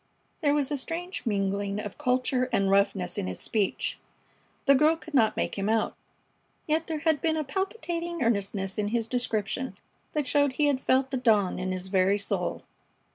There was a strange mingling of culture and roughness in his speech. The girl could not make him out; yet there had been a palpitating earnestness in his description that showed he had felt the dawn in his very soul.